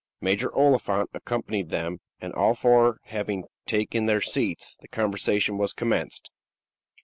Major Oliphant accompanied them, and all four having taken their seats, the conversation was commenced.